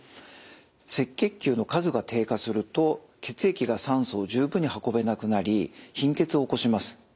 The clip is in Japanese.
赤血球の数が低下すると血液が酸素を十分に運べなくなり貧血を起こします。